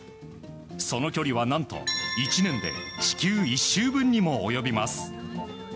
その距離は何と１年で地球１周分にも及びます。